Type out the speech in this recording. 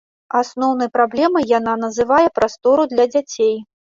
Асноўнай праблемай яна называе прастору для дзяцей.